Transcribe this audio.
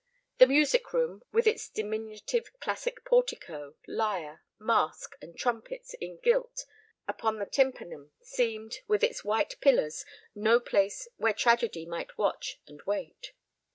The music room, with its diminutive classic portico, lyre, mask, and trumpets in gilt upon the tympanum, seemed, with its white pillars, no place where tragedy might watch and wait.